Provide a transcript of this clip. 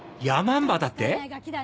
ヤマンバだって！？